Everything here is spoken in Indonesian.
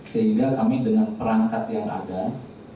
sehingga kami dengan perangkat yang ada